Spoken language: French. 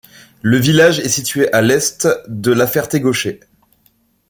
Le village est situé à à l'est de La Ferté-Gaucher.